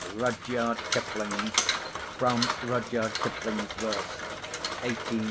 Rudyard Kipling. From "Rudyard Kipling's Verse, 1885 1918."